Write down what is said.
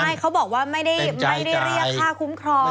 ใช่เขาบอกว่าไม่ได้เรียกค่าคุ้มครอง